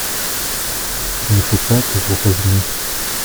Il ne faut pas que vous reveniez.